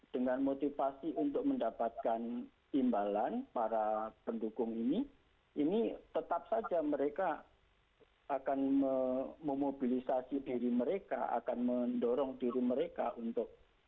dengan motivasi untuk mendapatkan imbalan para pendukung ini ini tetap saja mereka akan memobilisasi diri mereka akan mendorong diri mereka untuk